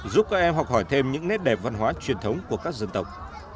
giúp các em học hỏi thêm những nét đẹp văn hóa truyền thống của các dân tộc